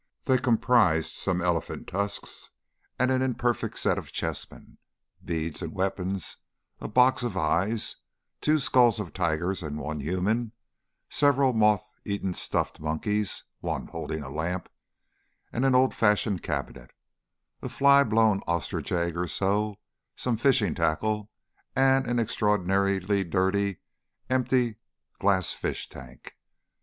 They comprised some elephant tusks and an imperfect set of chessmen, beads and weapons, a box of eyes, two skulls of tigers and one human, several moth eaten stuffed monkeys (one holding a lamp), an old fashioned cabinet, a flyblown ostrich egg or so, some fishing tackle, and an extraordinarily dirty, empty glass fish tank.